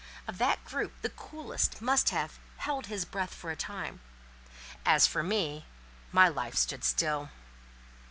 Of that group the coolest must have "held his breath for a time!" As for me, my life stood still.